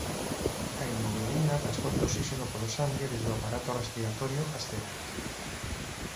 A hemoglobina transporta oxíxeno polo sangue desde o aparato respiratorio ás células.